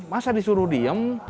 masa disuruh diem